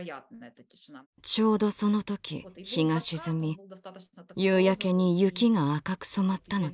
ちょうどその時日が沈み夕焼けに雪が赤く染まったのです。